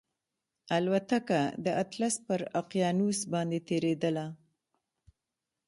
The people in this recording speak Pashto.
الوتکه د اطلس پر اقیانوس باندې تېرېدله